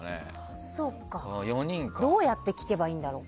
どうやって聞けばいいんだろう。